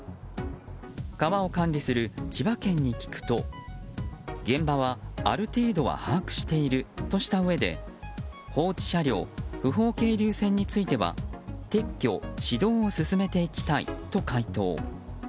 川を管理する千葉県に聞くと現場は、ある程度は把握しているとしたうえで放置車両、不法係留船については撤去・指導を進めていきたいと回答。